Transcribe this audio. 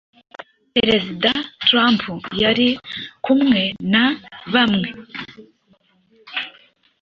Perezida Trump yari kumwe na bamwe,